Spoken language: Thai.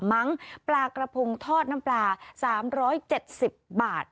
มั้งปลากระพงทอดน้ำปลา๓๗๐บาท